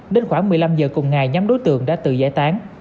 đến khoảng một mươi năm h cùng ngày nhắm đối tượng đã tự giải tán